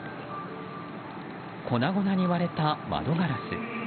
粉々に割れた窓ガラス。